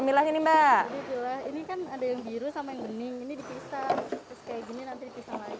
milah ini mbak ini kan ada yang biru sama yang bening ini dipisah kayak gini nanti